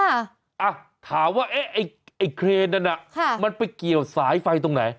อ่ะถามว่าเอ๊ะไอ้ไอ้เครนนั้นน่ะค่ะมันไปเกี่ยวสายไฟตรงไหน